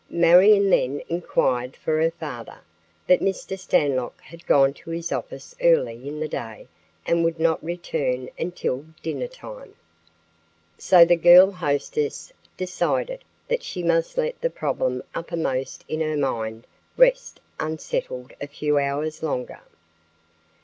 Marion then inquired for her father, but Mr. Stanlock had gone to his office early in the day and would not return until dinnertime. So the girl hostess decided that she must let the problem uppermost in her mind rest unsettled a few hours longer.